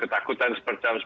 kita kan ingin lebih utipisasi